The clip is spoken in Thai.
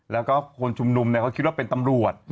แล้วก็คนชุมนุมเขาคิดว่าเป็นตำรวจ